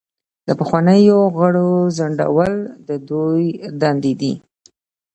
د پخوانیو غړو ځنډول د دوی دندې دي.